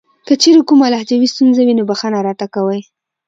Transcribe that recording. کچېرې کومه لهجوي ستونزه وي نو بښنه راته کوئ .